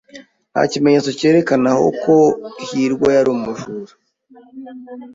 Nta kimenyetso cyerekana ko hirwa yari umujura.